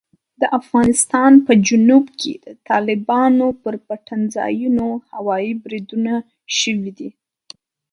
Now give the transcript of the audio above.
د افغانستان په جنوب کې د طالبانو پر پټنځایونو هوايي بریدونه شوي دي.